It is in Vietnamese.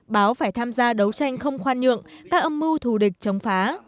báo phải tham gia đấu tranh không khoan nhượng các âm mưu thù địch chống phá